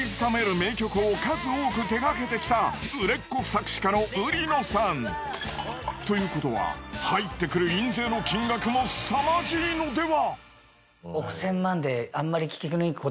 名曲を数多く手がけてきた売れっ子作詞家の売野さん。ということは入ってくる印税の金額も凄まじいのでは？